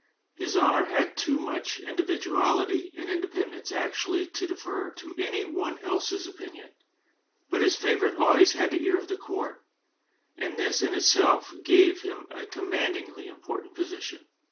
His Honor had too much individuality and independence actually to defer to any one else's opinion, but his favorite always had the ear of the court, and this in itself gave him a commandingly important position.